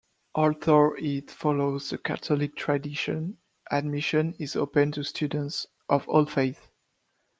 Although it follows the Catholic tradition, admission is open to students of all faiths.